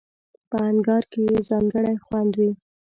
په انگار کې یې ځانګړی خوند وي.